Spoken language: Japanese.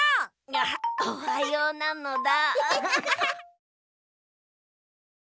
アハッおはようなのだ。